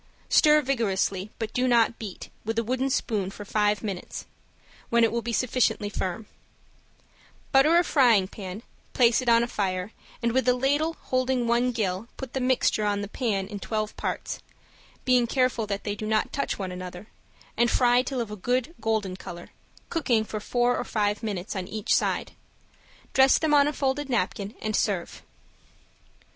Stir vigorously, but do not beat, with a wooden spoon for five minutes, when it will be sufficiently firm; butter a frying pan, place it on a fire, and with a ladle holding one gill put the mixture on the pan in twelve parts, being careful that they do not touch one another, and fry till of a good golden color, cooking for four or five minutes on each side. Dress them on a folded napkin, and serve.